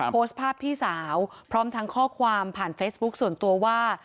โพสต์ภาพพี่สาวพร้อมทั้งข้อความผ่านเฟซบุ๊คส่วนตัวว่า